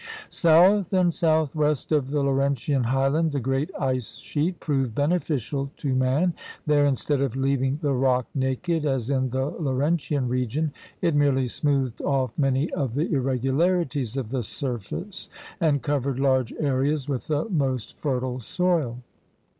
South and southwest of the Laurentian highland the great ice sheet proved beneficial to man. There, instead of leaving the rock iiaked, as in the Laurentian region, it merely smoothed off many of the irregularities of the surface and covered large areas with the most fertile soil.